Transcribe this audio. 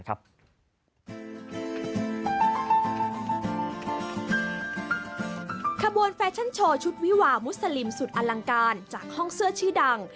ขบวนแฟชั่นโชว์ชุดวิวามุสลิมสุดอลังการจากห้องเสื้อชื่อดัง